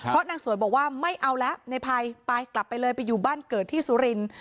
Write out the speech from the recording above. เพราะนางสวยบอกว่าไม่เอาแล้วในภัยไปกลับไปเลยไปอยู่บ้านเกิดที่สุรินทร์